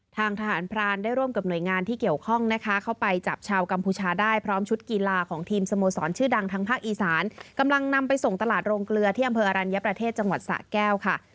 ทางทหารพรานได้ร่วมกับหน่วยงานที่เกี่ยวข้องนะคะเข้าไปจับชาวกัมพูชาได้พร้อมชุดกีฬาของทีมสโมสรชื่อดังทางภาคอีสานกำลังนำไปส่งตลาดโรงเกลือที่อำเภออรัญญประเทศจังหวัดสะแก้วค่ะ